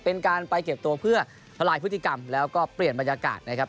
เป็นการไปเก็บตัวเพื่อทลายพฤติกรรมแล้วก็เปลี่ยนบรรยากาศนะครับ